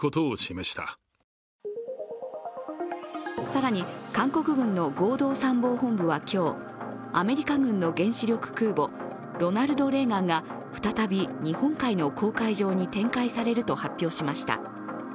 更に、韓国軍の合同参謀本部は今日アメリカ軍の原子力空母「ロナルド・レーガン」が再び日本海の公海上に展開されると発表しました。